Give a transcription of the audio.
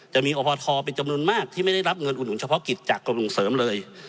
จะมีอพทเป็นจำนวนมากที่ไม่ได้รับเงินอุดหนุนเฉพาะกิจจากกรมส่งเสริมเลย